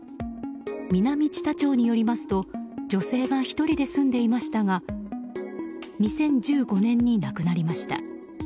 南知多町によりますと女性が１人で住んでいましたが２０１５年に亡くなりました。